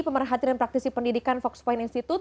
pemerhatian praktisi pendidikan fox point institute